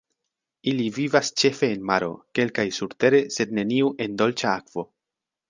Ili vivas ĉefe en maro, kelkaj surtere, sed neniu en dolĉa akvo.